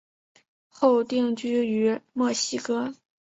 后定居于墨西哥。